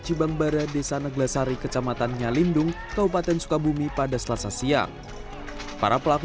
cibangbara desa neglasari kecamatan nyalindung kabupaten sukabumi pada selasa siang para pelaku